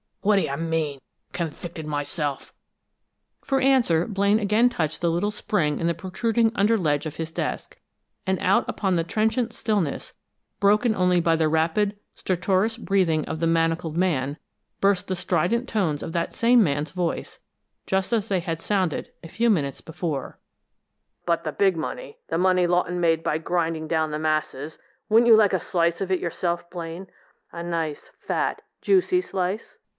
What d'you mean convicted myself?" For answer Blaine again touched that little spring in the protruding under ledge of his desk, and out upon the trenchant stillness, broken only by the rapid, stertorous breathing of the manacled man, burst the strident tones of that same man's voice, just as they had sounded a few minutes before: "'But the big money the money Lawton made by grinding down the masses wouldn't you like a slice of it yourself, Blaine a nice, fat, juicy slice....